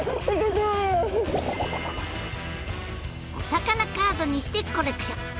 お魚カードにしてコレクション。